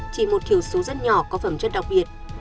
chỉ một kiểu số rất nhỏ có phẩm chất đặc biệt